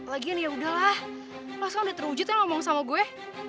lagian ya udahlah lo sekarang udah terwujud nih ngomong sama gue